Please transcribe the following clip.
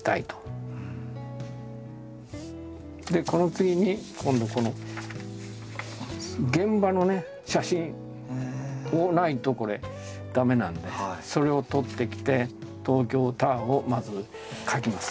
でこの次に今度この現場の写真をないと駄目なんでそれを撮ってきて東京タワーをまず描きます。